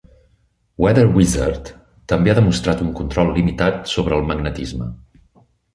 Weather Wizard també ha demostrat un control limitat sobre el magnetisme.